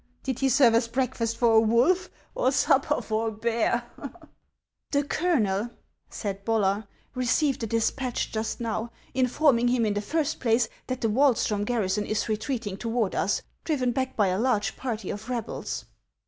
Did he serve as breakfast for a wolf, or supper for a bear ?"" The colonel," said Bollar, " received a despatch just now, informing him, in the first place, that the "Wahlstrom garrison is retreating toward us, driven back by a large party of rebels."